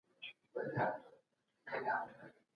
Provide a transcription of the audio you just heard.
انلاين درسونه د کورنۍ ملاتړ سره ترسره سوي دي.